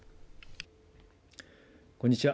こんにちは。